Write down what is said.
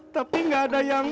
tapi gak ada yang